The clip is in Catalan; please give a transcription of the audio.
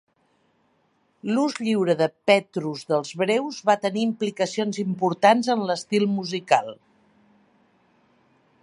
L'ús lliure de Petrus dels breus va tenir implicacions importants en l'estil musical.